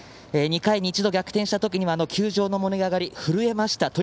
２回に一度逆転したときには球場の盛り上がり震えました。